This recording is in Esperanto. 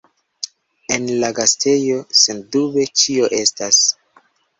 En la gastejo, sendube, ĉio estas.